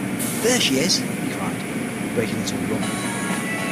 “There she is!” he cried, breaking into a run.